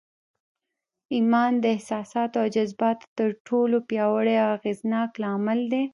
ايمان د احساساتو او جذباتو تر ټولو پياوړی او اغېزناک لامل دی.